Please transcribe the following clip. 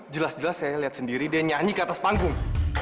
jelas jelas saya lihat sendiri dia nyanyi ke atas panggung